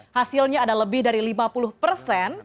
hasilnya ada lebih dari lima puluh persen